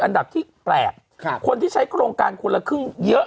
อันดับที่แปลกคนที่ใช้โครงการคนละครึ่งเยอะ